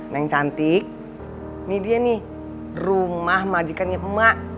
nah yang cantik ini dia nih rumah majikannya emak